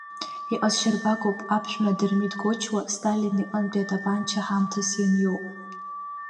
Иҟазшьарбагоуп аԥшәма Дырмит Гочуа Сталин иҟынтә атапанча ҳамҭас ианиоу, …